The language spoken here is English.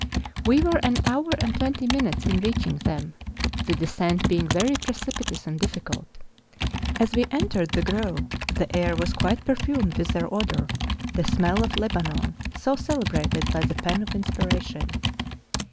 We were an hour and twenty minutes in reaching them, the descent being very precipitous and difficult. As we entered the grove, the air was quite perfumed with their odour, '' the smell of Lebanon " so celebrated by the pen of inspiration.